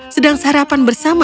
sedang sarapan bersama